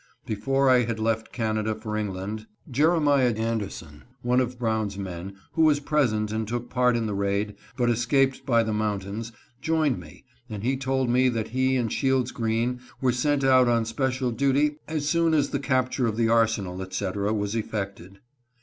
Before I had left Canada for England, Jeremiah Anderson, one of Brown's men, who was present and took part in the raid, but escaped by the mountains, joined me, and he told me that he and Shields Green were sent out on special duty as soon as the capture of the arsenal, etc., was effected.